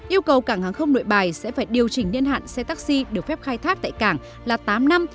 yêu cầu cảng hàng không nội bài sẽ phải điều chỉnh niên hạn xe taxi được phép khai thác tại cảng là tám năm